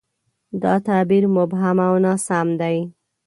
دا تعبیر مبهم او ناسم دی.